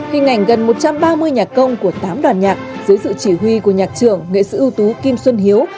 hình ảnh gần một trăm ba mươi nhạc công của tám đoàn nhạc dưới sự chỉ huy của nhạc trưởng nghệ sĩ ưu tú kim xuân hiếu